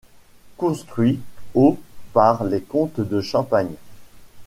Construit au par les comtes de Champagne.